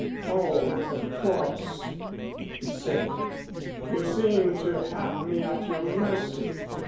"Oh, of course," he said, "you seem to have me at your mercy."